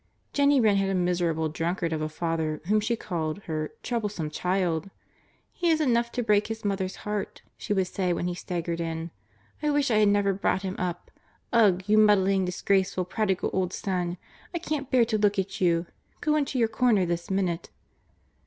Jennie Wren had a miserable drunkard of a father, whom she called her "troublesome child." "He is enough to break his mother's heart," she would say when he staggered in. "I wish I had never brought him up. Ugh! You muddling, disgraceful, prodigal old son! I can't bear to look at you. Go into your corner this minute."